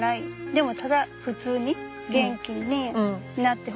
でもただ普通に元気になってほしいって。